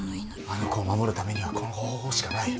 あの子を守るためにはこの方法しかない。